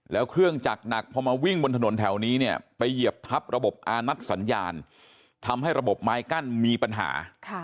แล้วเครื่องจักรหนักพอมาวิ่งบนถนนแถวนี้เนี่ยไปเหยียบทับระบบอานัดสัญญาณทำให้ระบบไม้กั้นมีปัญหา